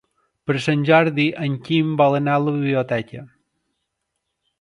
Per Sant Jordi en Quim vol anar a la biblioteca.